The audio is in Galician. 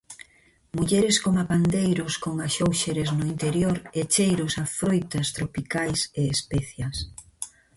Mulleres coma pandeiros con axóuxeres no interior e cheiros a froitas tropicais e especias.